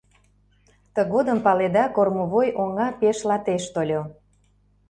Тыгодым, паледа, кормовой оҥа пеш латеш тольо.